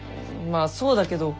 まあそうだけど。